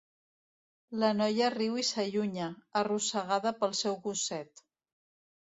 La noia riu i s'allunya, arrossegada pel seu gosset.